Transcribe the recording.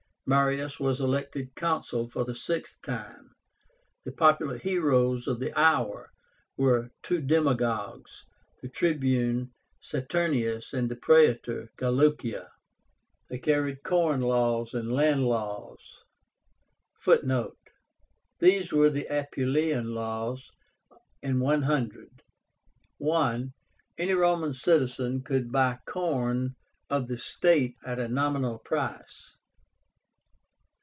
Marius was elected Consul for the sixth time. The popular heroes of the hour were two demagogues, the Tribune SATURNÍNUS and the Praetor GLAUCIA. They carried corn laws and land laws,(Footnote: These were the APPULEIAN LAWS (100): I. Any Roman citizen could buy corn of the state at a nominal price.